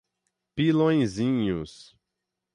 Pilõezinhos